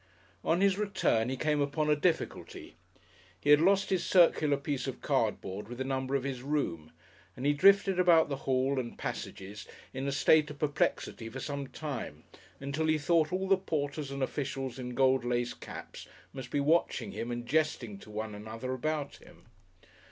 On his return he came upon a difficulty; he had lost his circular piece of cardboard with the number of his room, and he drifted about the hall and passages in a state of perplexity for some time, until he thought all the porters and officials in gold lace caps must be watching him and jesting to one another about him.